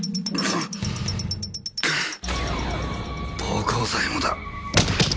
暴行罪もだ。